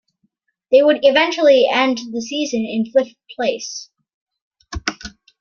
They would eventually end the season in fifth place.